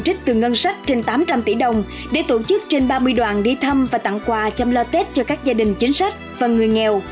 trích từ ngân sách trên tám trăm linh tỷ đồng để tổ chức trên ba mươi đoàn đi thăm và tặng quà chăm lo tết cho các gia đình chính sách và người nghèo